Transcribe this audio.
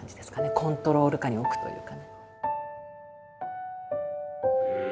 コントロール下に置くというか。